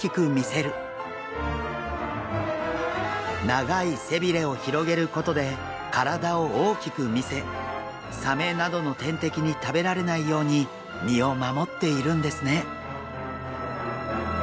長い背びれを広げることで体を大きく見せサメなどの天敵に食べられないように身を守っているんですね。